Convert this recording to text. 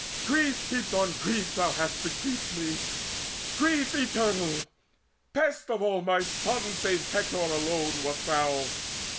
Grief heaped on grief Hast thou bequeathed me, grief eternal! Best Of all my sons, save Hector alone, wast thou!